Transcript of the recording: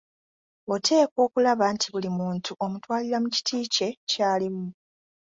Oteekwa okulaba nti buli muntu omutwalira mu kiti kye ky’alimu.